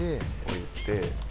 置いて。